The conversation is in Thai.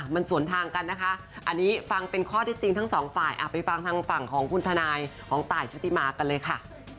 มันสวนทางกันนะคะอันนี้ฟังเป็นข้อที่จริงทั้งสองฝ่ายไปฟังทางฝั่งของคุณทนายของตายชุติมากันเลยค่ะ